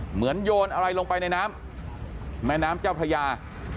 โยนอะไรลงไปในน้ำแม่น้ำเจ้าพระยา